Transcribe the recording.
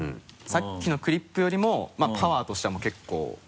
さっきのクリップよりもパワーとしてはもう結構。